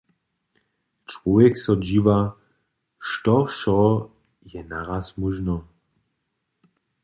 Čłowjek so dźiwa, što wšo je naraz móžno.